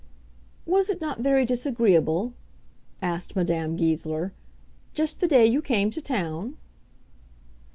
"Was it not very disagreeable," asked Madame Goesler, "just the day you came to town?"